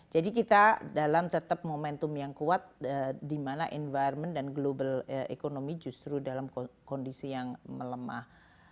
jadi kita dalam tetap momentum yang kuat di mana environment dan global economy justru dalam kondisi yang melemah